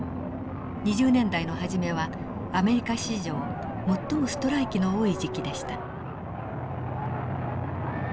２０年代の初めはアメリカ史上最もストライキの多い時期でした。